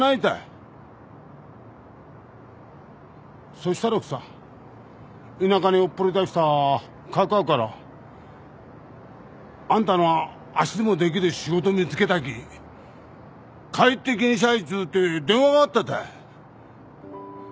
そしたらくさ田舎におっぽり出したかかあからあんたの足でもできる仕事見つけたき帰ってきんしゃいつうて電話があったたい。